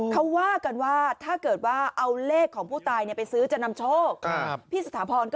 เขาว่ากันว่าถ้าเกิดว่าเอาเลขของผู้ตายไปซื้อจะนำโชคพี่สถาพรก็